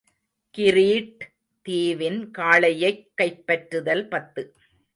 Greet தீவின் காளையைக் கைப்பற்றுதல் பத்து.